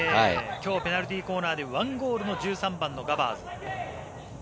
今日ペナルティーコーナーで１ゴールの１３番のガバーズ。